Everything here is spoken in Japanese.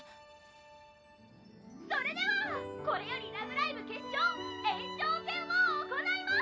「それではこれより『ラブライブ！』決勝延長戦を行います！」。